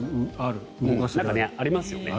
ありますよね。